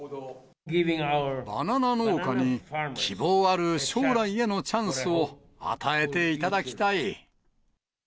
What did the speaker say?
バナナ農家に、希望ある将来へのチャンスを与えていただきたい。